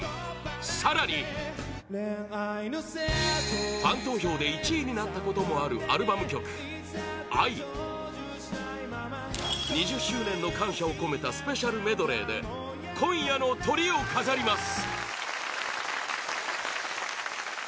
更にファン投票で１位になったこともあるアルバム曲「藍」２０周年の感謝を込めたスペシャルメドレーで今夜のトリを飾ります！